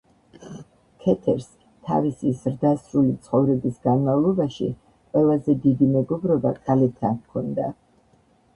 ქეთერს თავისი ზრდასრული ცხოვრების განმავლობაში, ყველაზე დიდი მეგობრობა ქალებთან ჰქონდა.